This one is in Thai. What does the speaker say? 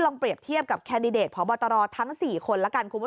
เปรียบเทียบกับแคนดิเดตพบตรทั้ง๔คนละกันคุณผู้ชม